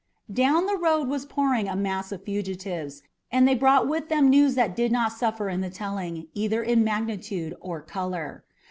Down the road was pouring a mass of fugitives, and they brought with them news that did not suffer in the telling, either in magnitude or color.